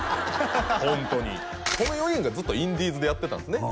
ホントにこの４人がずっとインディーズでやってたんですね